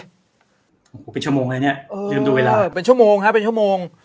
โหเป็นชั่วโมงเลยเนี่ยเดินตัวเวลาเป็นชั่วโมงเหินความสุข